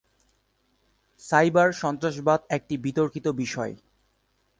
Cyber সন্ত্রাসবাদ একটি বিতর্কিত বিষয়।